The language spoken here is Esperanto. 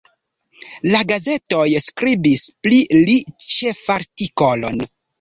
La gazetoj skribis pli li ĉefartikolon.